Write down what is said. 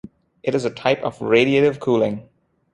It is a type of radiative cooling.